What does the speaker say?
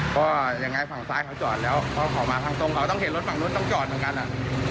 เพราะยังไงฝั่งซ้ายเขาจอดแล้วเพราะเขามาทางตรงเขาต้องเห็นรถฝั่งนู้นต้องจอดเหมือนกันอ่ะ